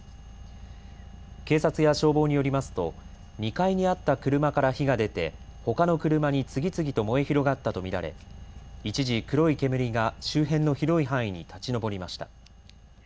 警察や消防によりますと２階にあった車から火が出てほかの車に次々と燃え広がったと見られ一時、黒い煙が周辺の広い範囲に立ち上りました。